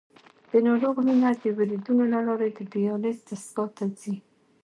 د ناروغ وینه د وریدونو له لارې د دیالیز دستګاه ته ځي.